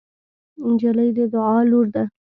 نجلۍ د دعا لور ده.